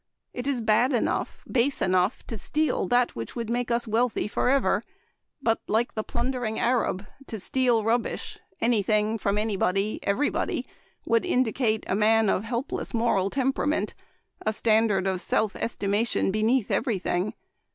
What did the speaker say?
It is bad enough, base enough, to steal that which would make us wealthy forever ; but, like the plundering Arab, to steal rubbish — any thing, from any body, every body — would in dicate a helpless moral temperament, a standard of self estimation beneath every thing.